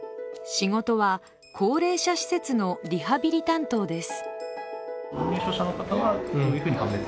仕事は、高齢者施設のリハビリ担当です。